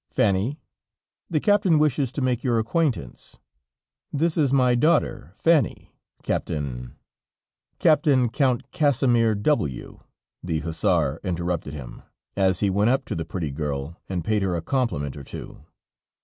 "Fanny, the Captain wishes to make your acquaintance; this is my daughter, Fanny, Captain ..." "Captain Count Kasimir W ," the hussar interrupted him, as he went up to the pretty girl, and paid her a compliment or two.